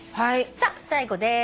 さあ最後です。